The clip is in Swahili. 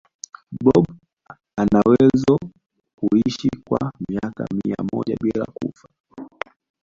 blob anawezo kuishi kwa miaka mia moja bila kufa